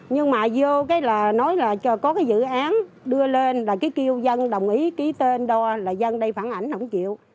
nhưng mà vô cái là nói là có cái dự án đưa lên là cái kêu dân đồng ý ký tên đo là dân đây phản ảnh không chịu